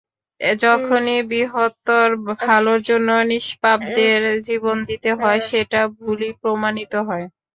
যখনই বৃহত্তর ভালোর জন্য নিষ্পাপদের জীবন দিতে হয়, সেটা ভুলই প্রমাণিত হয়।